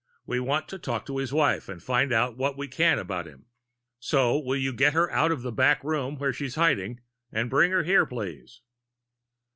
We want to talk to his wife and find out what we can about him. So will you get her out of the back room where she's hiding and bring her here, please?"